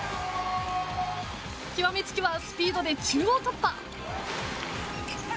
極め付きはスピードで中央突破。